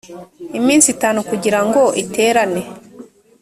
iminsi itanu kugira ngo iterane